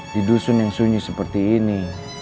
di dusun yang sunyi seperti ini